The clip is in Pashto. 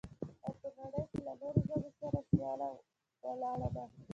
او په نړۍ کې له نورو ژبو سره سياله ولاړه ده.